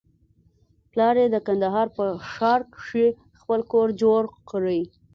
پلار يې د کندهار په ښار کښې خپل کور جوړ کړى.